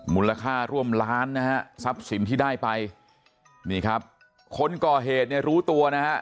มูลค่าร่วมล้านนะฮะทรัพย์สินที่ได้ไปนี่ครับคนก่อเหตุเนี่ยรู้ตัวนะฮะ